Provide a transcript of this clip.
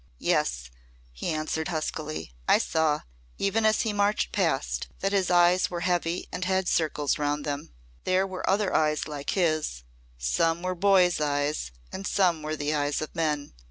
"Yes," he answered huskily. "I saw even as he marched past that his eyes were heavy and had circles round them. There were other eyes like his some were boys' eyes and some were the eyes of men.